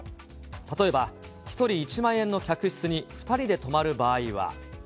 例えば、１人１万円の客室に２人で泊まる場合は。